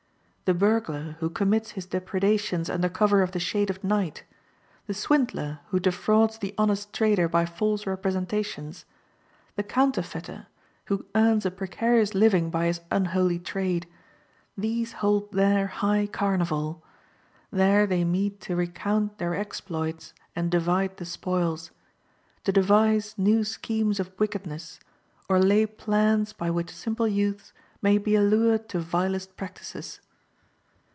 The burglar, who commits his depredations under cover of the shade of night; the swindler, who defrauds the honest trader by false representations; the counterfeiter, who earns a precarious living by his unholy trade these hold there high carnival. There they meet to recount their exploits and divide the spoils; to devise new schemes of wickedness, or lay plans by which simple youths may be allured to vilest practices.